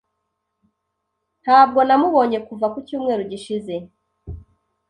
Ntabwo namubonye kuva ku cyumweru gishize.